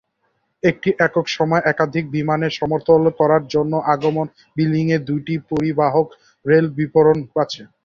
একটি একক সময়ে একাধিক বিমানের সমর্থন করার জন্য আগমন বিল্ডিংয়ে দুটি পরিবাহক বেল্ট উপলব্ধ আছে।